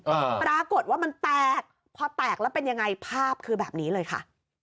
อ่าปรากฏว่ามันแตกพอแตกแล้วเป็นยังไงภาพคือแบบนี้เลยค่ะ